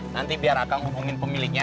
nanti biar akang ngomongin pemiliknya